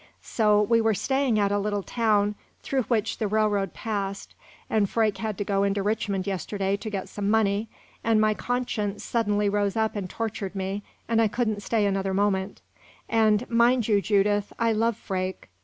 So, we were staying at a little town through which the railroad passed, and Freke had to go into Richmond yesterday to get some money, and my conscience suddenly rose up and tortured me, and I couldn't stay another moment and, mind you, Judith, I love Freke.